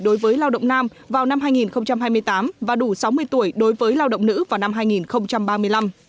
đối với lao động nam vào năm hai nghìn hai mươi tám và đủ sáu mươi tuổi đối với lao động nữ vào năm hai nghìn ba mươi năm